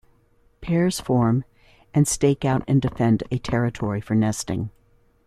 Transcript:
Pairs form, and stake out and defend a territory for nesting.